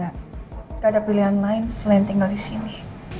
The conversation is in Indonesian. gak ada pilihan lain selain tinggal disini